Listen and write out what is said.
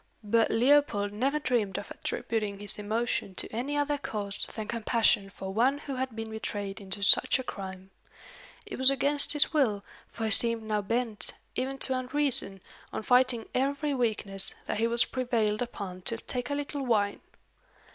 But Leopold never dreamed of attributing his emotion to any other cause than compassion for one who had been betrayed into such a crime. It was against his will, for he seemed now bent, even to unreason, on fighting every weakness, that he was prevailed upon to take a little wine.